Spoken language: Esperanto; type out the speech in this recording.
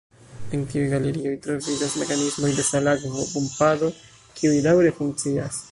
En tiuj galerioj, troviĝas mekanismoj de salakvo-pumpado, kiuj daŭre funkcias.